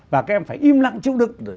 và các em phải im lặng chịu đựng